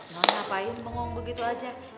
mau ngapain bengong begitu aja